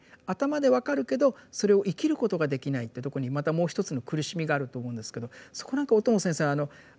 頭で分かるけどそれを生きることができないってとこにまたもう一つの苦しみがあると思うんですけどそこは何か小友先生